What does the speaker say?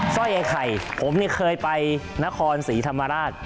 สร้อยไอ้ไข่ผมเนี่ยเคยไปนครศรีธรรมราช